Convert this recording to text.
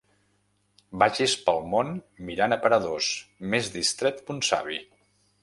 Vagis pel món mirant aparadors, més distret que un savi.